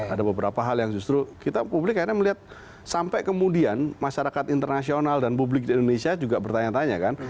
ada beberapa hal yang justru kita publik akhirnya melihat sampai kemudian masyarakat internasional dan publik di indonesia juga bertanya tanya kan